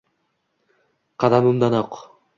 Qadimdanoq —